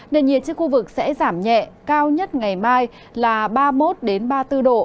nên nhiệt trên khu vực sẽ giảm nhẹ cao nhất ngày mai là ba mươi một ba mươi bốn độ và giảm nhẹ trong hai ngày tiếp theo